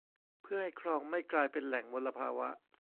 เพื่อให้คลองไม่กลายเป็นแหล่งมลภาวะ